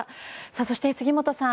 そして、杉本さん